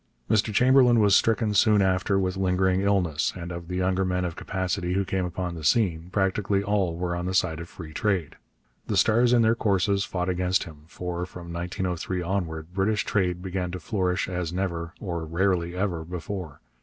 Mr Chamberlain was stricken soon after with lingering illness, and of the younger men of capacity who came upon the scene practically all were on the side of free trade. The stars in their courses fought against him, for, from 1903 onward, British trade began to flourish as never, or rarely ever, before.